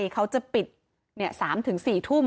เค้าจะปิด๓ถึง๔ทุ่ม